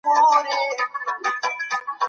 موافقه لیکونه د ګډو ګټو ساتنه کوي.